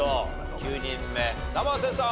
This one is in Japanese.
９人目生瀬さん